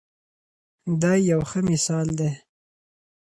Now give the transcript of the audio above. دی یو ښه مثال دی.